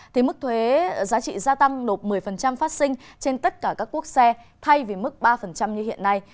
thì mức thuế giá trị gia tăng nộp một mươi phát sinh trên tất cả các quốc xe thay vì mức ba như hiện nay